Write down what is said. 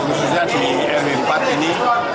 khususnya di rw empat ini